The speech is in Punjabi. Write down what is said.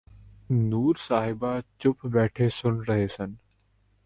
ਨੂਰ ਸਾਹਿਬ ਚੁੱਪ ਬੈਠੇ ਸੁਣ ਰਹੇ ਸਨ